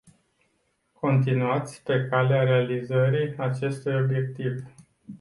Continuați pe calea realizării acestui obiectiv.